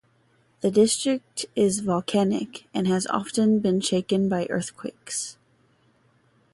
The district is volcanic, and has often been shaken by earthquakes.